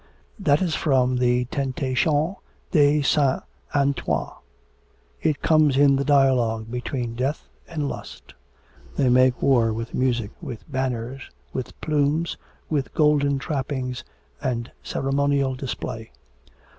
'That is from the Tentation de Saint Antoine. It comes in the dialogue between Death and Lust. They make war with music, with banners, with plumes, with golden trappings, and ceremonial display.'